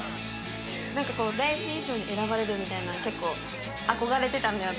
なんかこう第一印象に選ばれるみたいなの結構憧れてたので私。